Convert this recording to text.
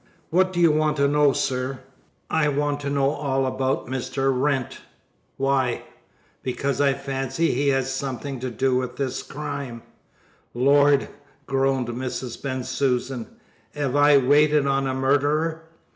"What do you want to know, sir?" "I want to know all about Mr. Wrent." "Why?" "Because I fancy he has something to do with this crime." "Lord!" groaned Mrs. Bensusan. "'Ave I waited on a murderer?"